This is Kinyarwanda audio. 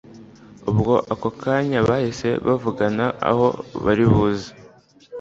Ubwo ako kanya bahise bavugana aho baribuze